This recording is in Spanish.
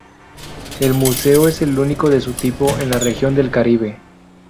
El museo es el único de su tipo en la región del Caribe.